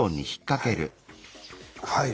はい。